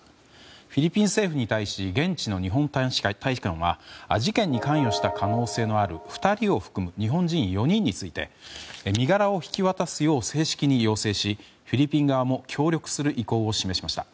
フィリピン政府に対し現地の日本大使館は事件に関与した可能性のある２人を含む日本人４人について身柄を引き渡すよう正式に要請しフィリピン側も協力する意向を示しました。